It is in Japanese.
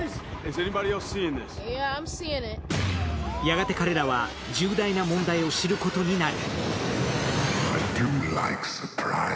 やがて彼らは重大な問題を知ることになる。